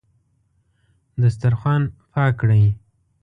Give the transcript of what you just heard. دسترخوان پاک کړئ